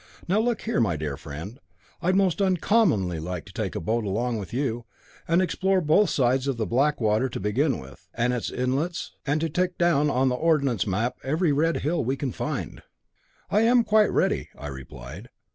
Now look here, my dear friend, I'd most uncommonly like to take a boat along with you, and explore both sides of the Blackwater to begin with, and its inlets, and to tick down on the ordnance map every red hill we can find." "I am quite ready," I replied.